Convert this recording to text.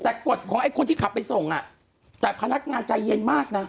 แต่กฎของไอ้คนที่ขับไปส่งอ่ะแต่พนักงานใจเย็นมากนะ